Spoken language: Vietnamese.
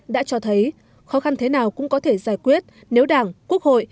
đã cho thấy khó khăn thế nào cũng có thể giải quyết nếu đảng quốc hội